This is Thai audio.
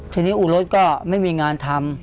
ทีนี้อู่รถก็ไม่มีงานทำ